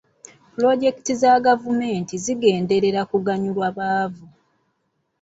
Pulojekiti za gavumenti zigenderera kuganyulwa baavu.